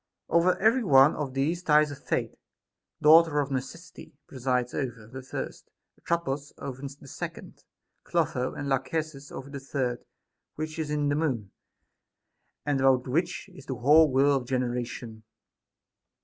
Over every one of these ties a Fate, daughter of Necessity, presides ; over the first, Atropos ; over the second, Clotho ; and Lachesis over the third, which is in the Moon, and about which is the whole whirl of generation.